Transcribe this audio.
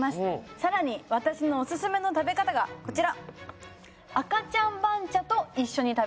更に私のオススメの食べ方がこちら。